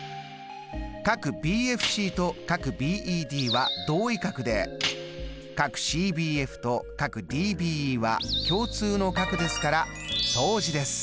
ＢＦＣとＢＥＤは同位角でＣＢＦとＤＢＥは共通の角ですから相似です。